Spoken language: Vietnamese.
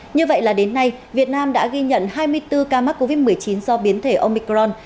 như vậy là đến nay việt nam đã ghi nhận hai mươi bốn ca mắc covid một mươi chín do biến thể omicron